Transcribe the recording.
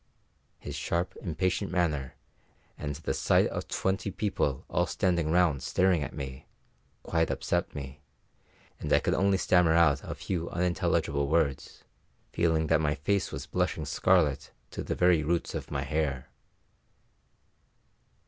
His sharp, impatient manner, and the sight of twenty people all standing round staring at me, quite upset me, and I could only stammer out a few unintelligible words, feeling that my face was blushing scarlet to the very roots of my hair.